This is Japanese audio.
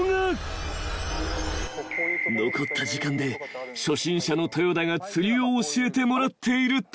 ［残った時間で初心者のトヨダが釣りを教えてもらっていると］